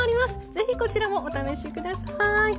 ぜひこちらもお試し下さい。